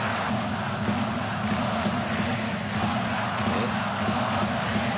「えっ？」